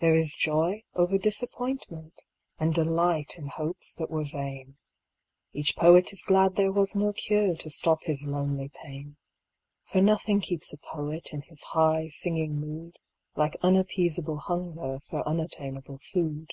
There is joy over disappointment And delight in hopes that were vain. Each poet is glad there was no cure To stop his lonely pain. For nothing keeps a poet In his high singing mood Like unappeasable hunger For unattainable food.